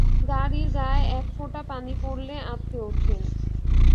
গাড়ির গায়ে এক ফোঁটা পানি পড়লে আঁৎকে ওঠেন।